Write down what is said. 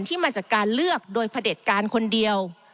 ที่มาจากการเลือกโดยเผด็จการคนเดียว